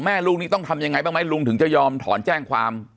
ลูกนี้ต้องทำยังไงบ้างไหมลุงถึงจะยอมถอนแจ้งความ